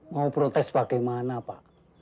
mau protes bagaimana pak